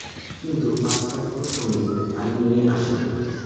কিন্তু পাশ্চাত্য সঙ্গীতের তালিম নিয়ে আসেন।